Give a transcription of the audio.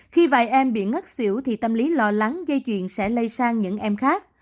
khi vài em bị ngất xỉu thì tâm lý lo lắng dây chuyền sẽ lây sang những em khác